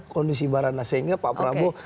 kondisi mbak ratna sehingga pak prabu